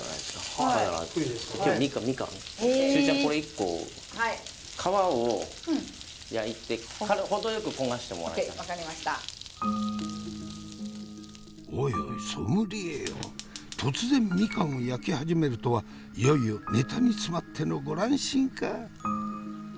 おいおいソムリエよ突然みかんを焼き始めるとはいよいよネタに詰まってのご乱心か！？